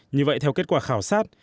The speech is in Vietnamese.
như vậy theo kết quả khảo sát